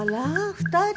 ２人？